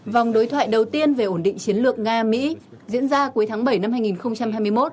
vòng đối thoại đầu tiên về ổn định chiến lược nga mỹ diễn ra cuối tháng bảy năm hai nghìn hai mươi một